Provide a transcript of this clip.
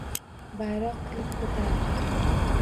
Bayroq qilib ko’tardi.